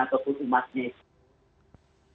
ataupun umatnya itu